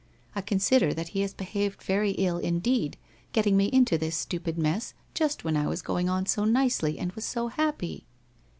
I consider that he has behaved very ill indeed, getting me into this stupid mess, just when I was going on so nicely and was so happy